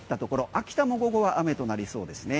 秋田も午後は雨となりそうですね。